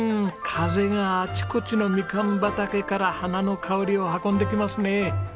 風があちこちのみかん畑から花の香りを運んできますね。